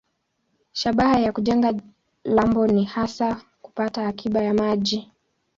Shabaha ya kujenga lambo ni hasa kupata akiba ya maji.